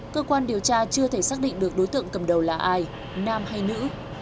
cơ quan điều tra chưa thể xác định được đối tượng cầm đầu là ai nam hay nữ